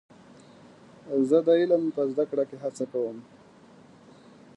زه د علم په زده کړه کې هڅه کوم.